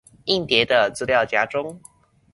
硬碟的資料夾中